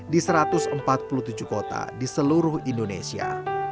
di satu ratus empat puluh tujuh kota di seluruh indonesia